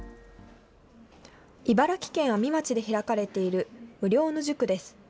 茨城県阿見町で開かれている無料の塾です。